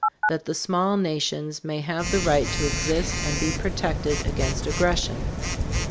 That the small nations may have the right to exist and be protected against aggression.